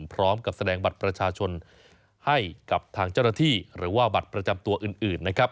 พร้อมกับแสดงบัตรประชาชนให้กับทางเจ้าหน้าที่หรือว่าบัตรประจำตัวอื่นนะครับ